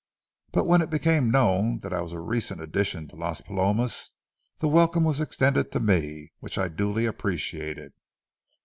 But when it became known that I was a recent addition to Las Palomas, the welcome was extended to me, which I duly appreciated.